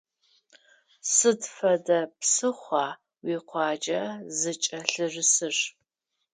Сыд фэдэ псыхъуа уикъуаджэ зыкӏэлъырысыр?